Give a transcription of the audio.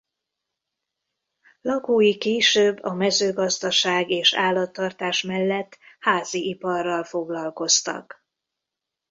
Lakói később a mezőgazdaság és állattartás mellett háziiparral foglalkoztak.